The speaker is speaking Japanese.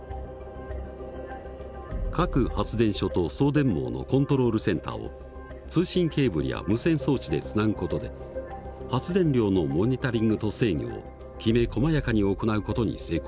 各発電所と送電網のコントロールセンターを通信ケーブルや無線装置でつなぐ事で発電量のモニタリングと制御をきめこまやかに行う事に成功した。